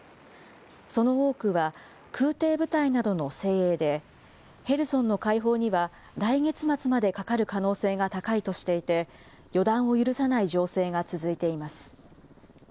その多くは、空てい部隊などの精鋭で、ヘルソンの解放には来月末までかかる可能性が高いとしていて、予断を許さない情勢が続いています。